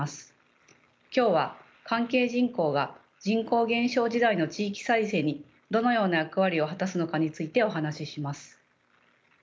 今日は関係人口が人口減少時代の地域再生にどのような役割を果たすのかについてお話しします。